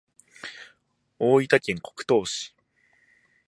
大分県国東市